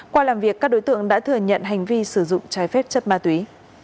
qua làm việc các đối tượng đã thừa nhận hành vi sử dụng trái phép chất ma túy